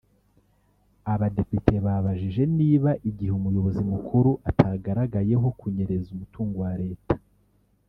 abadepite babajije niba igihe umuyobozi mukuru atagaragayeho kunyereza umutungo wa Leta